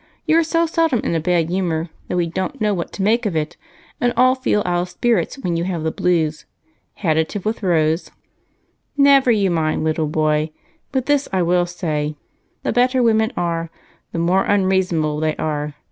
You are so seldom in a bad humor that we don't know what to make of it and all feel out of spirits when you have the blues. Had a tiff with Rose?" "Never you mind, little boy, but this I will say the better women are, the more unreasonable they are.